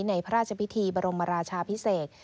ในพระราชพิธีบรมราชาพิเศษ